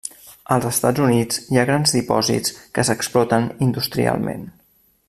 Als Estats Units hi ha grans dipòsits que s'exploten industrialment.